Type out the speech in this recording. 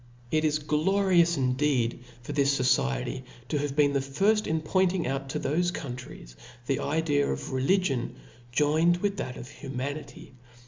It is glorious indeed for this Society to have been the firft in pointing out to thofe countries the idea of religion joined with that of humanity.